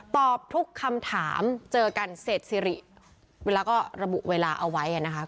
ตอบทุกคำถามเจอกันเสร็จสิริเวลาก็ระบุเวลาเอาไว้นะคะ